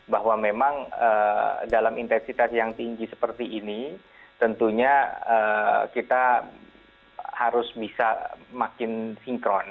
bahwa memang dalam intensitas yang tinggi seperti ini tentunya kita harus bisa makin sinkron